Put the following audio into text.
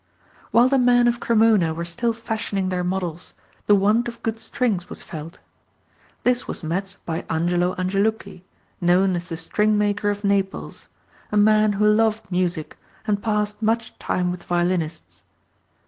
While the men of Cremona were still fashioning their models the want of good strings was felt. This was met by Angelo Angelucci, known as the string maker of Naples, a man who loved music and passed much time with violinists.